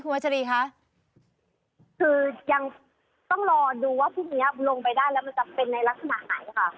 วัชรีคะคือยังต้องรอดูว่าพรุ่งนี้ลงไปได้แล้วมันจะเป็นในลักษณะไหนค่ะ